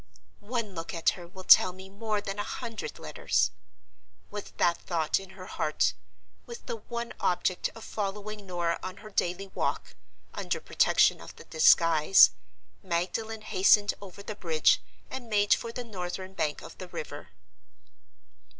"One look at her will tell me more than a hundred letters!" With that thought in her heart, with the one object of following Norah on her daily walk, under protection of the disguise, Magdalen hastened over the bridge, and made for the northern bank of the river.